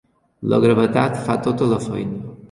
La gravetat fa tota la feina.